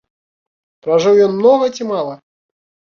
Пражыў ён многа ці мала?